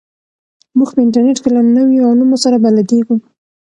موږ په انټرنیټ کې له نویو علومو سره بلدېږو.